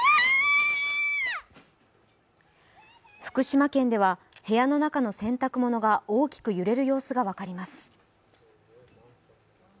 福島県では、部屋の中の洗濯物が大きく揺れる様子が分かります。